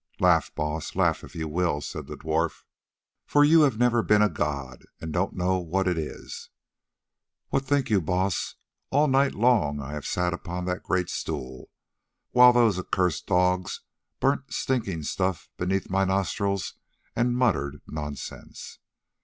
"Laugh, Baas, laugh if you will!" said the dwarf, "for you have never been a god, and don't know what it is. What think you, Baas?—all night long I have sat upon that great stool, while those accursed dogs burnt stinking stuff beneath my nostrils and muttered nonsense.